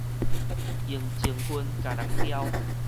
用情份共人刁